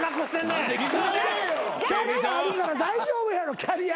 キャリアあるから大丈夫やろ。